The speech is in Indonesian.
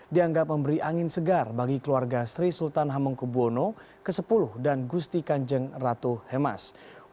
dianggap memberi angin segar bagi keluarga sri sultan hamengkubwono x dan gusti kanjeng ratu hemas